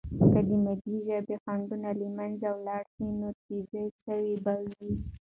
که د مادی ژبې خنډونه له منځه ولاړ سي، نو تیزي سوې به وي.